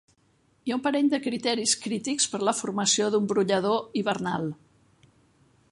Hi ha un parell de criteris crítics per a la formació d'un brollador hivernal.